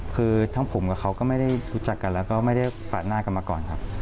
คือทั้งผมกับเขาก็ไม่ได้รู้จักกันแล้วก็ไม่ได้ปาดหน้ากันมาก่อนครับ